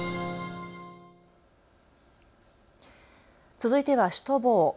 続いてはシュトボー。